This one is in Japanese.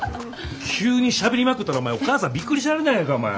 急にしゃべりまくったらお前お母さんビックリしはるやないかお前。